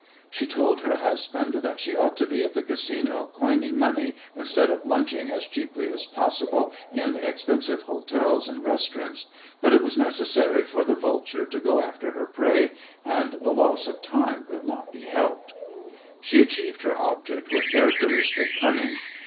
She told her husband that she ought to be at the Casino coining money instead of lunching as cheaply as possible in expensive hotels and restaurants, but it was necessary for the vulture to go after her prey, and the loss of time could not be helped. She achieved her object with characteristic cunning.